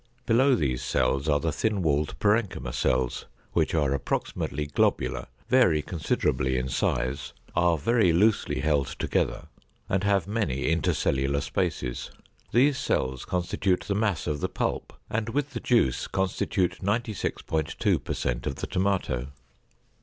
Below these cells are the thin walled parenchyma cells, which are approximately globular, vary considerably in size, are very loosely held together, and have many intercellular spaces. These cells constitute the mass of the pulp, and with the juice constitute 96.2 per cent of the tomato.